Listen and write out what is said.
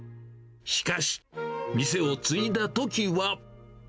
しかし、店を継いだときは。